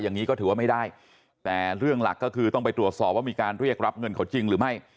อย่างนี้ก็ถือว่าไม่ได้แต่เรื่องหลักก็คือต้องไปตรวจสอบว่ามีการเรียกรับเงินเขาจริงหรือไม่